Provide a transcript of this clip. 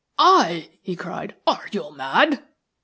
"I?" he cried. "Are you mad?"